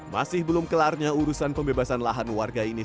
masih belum kelarnya urusan pembebasan lahan warga ini